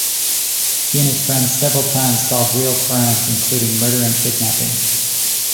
He and his friends several times solve real crimes including murder and kidnapping.